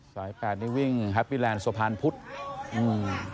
สายแปดนี้วิ่งแฮปปี้แลนด์สวพานพุทธ